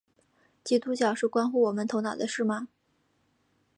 基督教是关乎我们头脑的事吗？